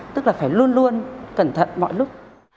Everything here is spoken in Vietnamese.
tức là phải luôn luôn cẩn thận mọi lúc